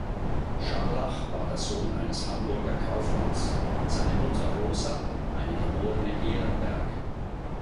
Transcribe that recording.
Scharlach war der Sohn eines Hamburger Kaufmanns, seine Mutter Rosa eine geborene Ehrenberg.